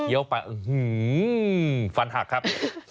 เขี้ยวไปอือหือฟันหักครับ